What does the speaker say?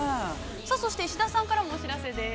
さあそして、石田さんからもお知らせです。